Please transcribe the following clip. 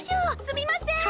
すみません！